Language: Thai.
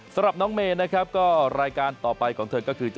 สำหรับน้องเมย์นะครับก็รายการต่อไปของเธอก็คือ